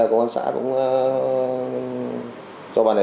đối tượng vuông